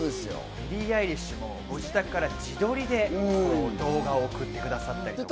ビリー・アイリッシュもご自宅から自撮りで動画を送ってくださったり。